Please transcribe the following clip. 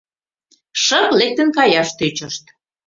Шып лектын каяш тӧчышт.